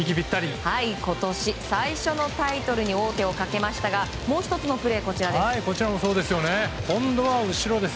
今年最初のタイトルに王手をかけましたがもう１つのプレー、こちらです。